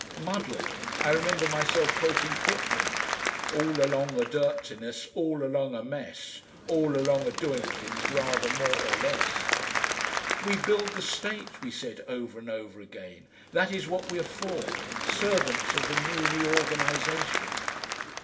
Muddle! I remember myself quoting Kipling "All along o' dirtiness, all along o' mess, All along o' doin' things rather more or less." "We build the state," we said over and over again. "That is what we are for servants of the new reorganisation!"